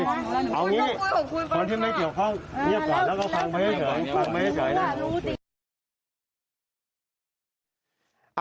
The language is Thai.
เอาอย่างนี้คนที่ไม่เกี่ยวข้องเงียบกว่าแล้วก็ฟังไม่ให้เจอ